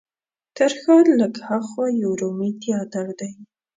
تر ښار لږ هاخوا یو رومي تیاتر دی.